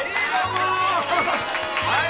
はい。